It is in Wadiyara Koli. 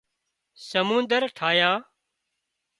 سمنۮر ٺاهيان